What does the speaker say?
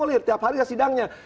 setiap hari saya sidang